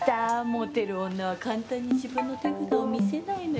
モテる女は簡単に自分の手札を見せないのよ。